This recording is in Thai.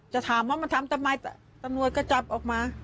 จะถามว่ามันทำทำไมตำรวจก็จับออกมา